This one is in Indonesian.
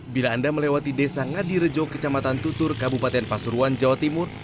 bila anda melewati desa ngadirejo kecamatan tutur kabupaten pasuruan jawa timur